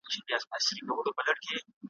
دنګه ونه لکه غروي هره تيږه یې منبر وي `